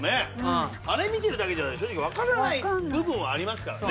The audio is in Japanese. あれ見てるだけじゃ正直わからない部分はありますからね。